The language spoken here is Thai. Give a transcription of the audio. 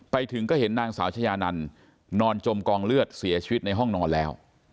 ไปถึงก็เห็นนางสาวชายานันนอนจมกองเลือดเสียชีวิตในห้องนอนแล้ว